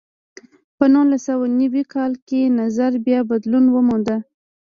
په نولس سوه نوي کال کې نظر بیا بدلون وموند.